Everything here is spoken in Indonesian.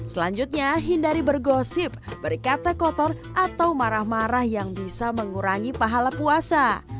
selanjutnya hindari bergosip berkata kotor atau marah marah yang bisa mengurangi pahala puasa